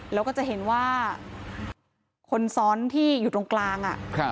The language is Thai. แล้วก็จะเห็นว่าคนซ้อนที่อยู่ตรงกลาง